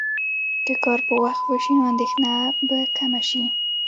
که کار په وخت وشي، نو اندېښنه به کمه شي.